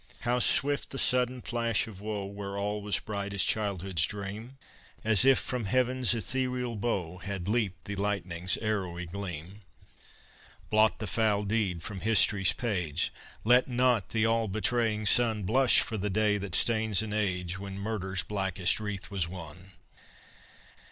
How swift the sudden flash of woe Where all was bright as childhood's dream! As if from heaven's ethereal bow Had leaped the lightning's arrowy gleam. Blot the foul deed from history's page; Let not the all betraying sun Blush for the day that stains an age When murder's blackest wreath was won.